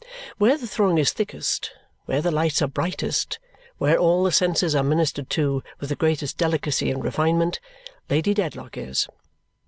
Where the throng is thickest, where the lights are brightest, where all the senses are ministered to with the greatest delicacy and refinement, Lady Dedlock is.